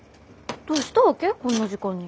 どうしたわけ？こんな時間に。